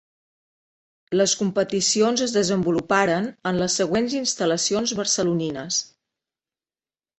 Les competicions es desenvoluparen en les següents instal·lacions barcelonines.